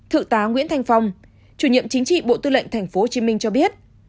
thự tá nguyễn thành phong chủ nhiệm chính trị bộ tư lệnh tp hcm cho biết